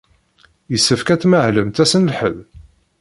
Yessefk ad tmahlemt ass n lḥedd?